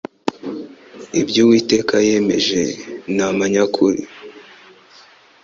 Ibyo Uhoraho yemeje ni amanyakuri